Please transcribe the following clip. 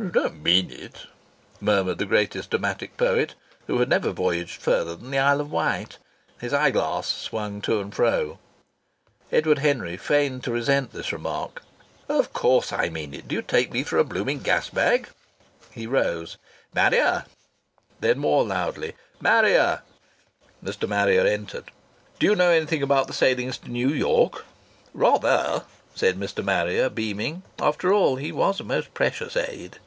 "You don't mean it?" murmured the greatest dramatic poet, who had never voyaged further than the Isle of Wight. His eyeglass swung to and fro. Edward Henry feigned to resent this remark. "Of course I mean it. Do you take me for a blooming gas bag?" He rose. "Marrier!" Then more loudly: "Marrier!" Mr. Marrier entered. "Do you know anything about the sailings to New York?" "Rather!" said Mr. Marrier, beaming. After all, he was a most precious aid.